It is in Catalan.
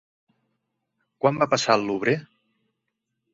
Quan va passar al Louvre?